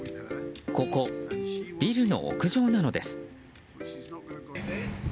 ここ、ビルの屋上なのです。